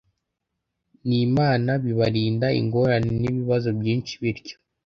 n Imana bibarinda ingorane n ibibazo byinshi Bityo